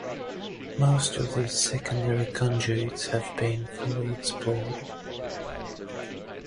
Most of these secondary conduits have been fully explored.